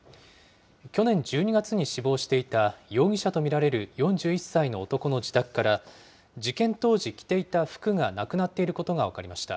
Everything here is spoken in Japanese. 去年１２月に死亡していた容疑者と見られる４１歳の男の自宅から、事件当時着ていた服がなくなっていることが分かりました。